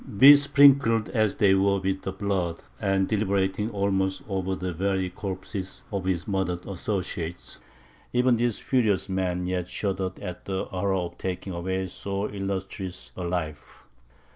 Besprinkled as they were with the blood, and deliberating almost over the very corpses of his murdered associates, even these furious men yet shuddered at the horror of taking away so illustrious a life.